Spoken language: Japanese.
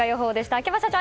秋葉社長